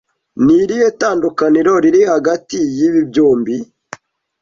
Ni irihe tandukaniro riri hagati yibi byombi?